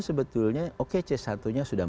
sebetulnya oke c satu nya sudah